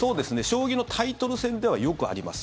将棋のタイトル戦ではよくあります。